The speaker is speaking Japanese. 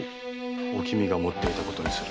おきみが持っていたことにする。